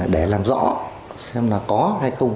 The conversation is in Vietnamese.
để làm rõ xem có hay không